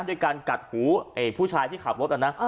ด้วยการกัดหูผู้ชายที่ขับรถนะ